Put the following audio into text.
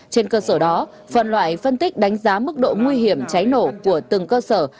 trên cơ sở đó phần loại phân tích đánh giá mức độ nguy hiểm cháy nổ của từng cơ sở